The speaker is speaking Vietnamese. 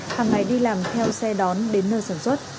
hàng ngày đi làm theo xe đón đến nơi sản xuất